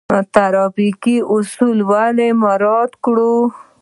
ټرافیکي اصول ولې مراعات کړو؟